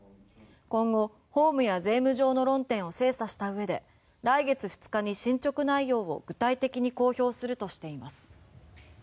今後、法務や税務上の論点を精査したうえで来月２日に進ちょく内容を具体的に公表するとしています。